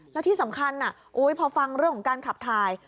แล้วที่สำคัญพอฟังเรื่องของการขับถ่าย